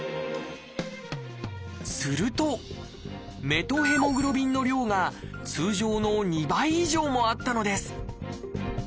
すると「メトヘモグロビン」の量が通常の２倍以上もあったのです。